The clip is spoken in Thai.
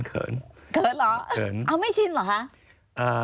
เกิดเหรอไม่ชินเหรอฮะ